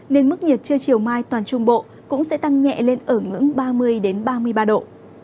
nên mức nhiệt chưa chiều mai toàn trung bộ cũng sẽ tăng nhẹ lên ở ngưỡng ba mươi ba mươi ba độ